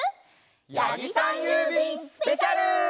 やぎさんゆうびんスペシャル！